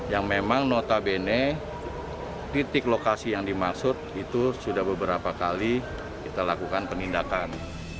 yang memang notabene titik lokasi yang dimaksud itu sudah beberapa kali kita lakukan penindakan